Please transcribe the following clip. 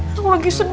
aku lagi sedih